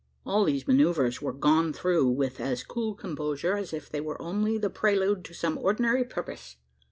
All these manoeuvres were gone through with as cool composure, as if they were only the prelude to some ordinary purpose!